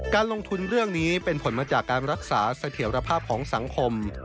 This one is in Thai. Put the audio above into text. การลงทุนเรื่องนี้เป็นผลมาจากการรักษาเสถียรภาพของสังคม